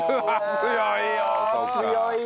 強い。